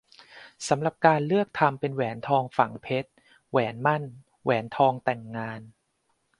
สำหรับการเลือกทำเป็นแหวนทองฝังเพชร แหวนหมั้น แหวนทองแต่งงาน